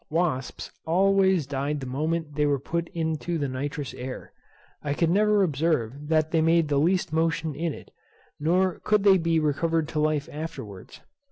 Wasps always died the moment they were put into the nitrous air. I could never observe that they made the least motion in it, nor could they be recovered to life afterwards.